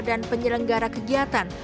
dan penyelenggara kegiatan